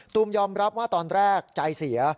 ยอมรับว่าตอนแรกใจเสีย